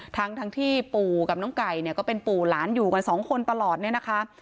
ทั้งที่ปู่กับน้องไก่เนี่ยก็เป็นปู่หลานอยู่กันสองคนตลอดเนี่ยนะคะ